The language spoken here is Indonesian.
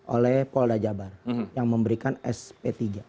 oleh polda jabar yang memberikan sp tiga